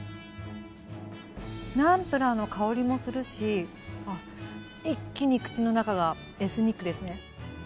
ナンプラーの香りもするし一気に口の中がエスニックですね。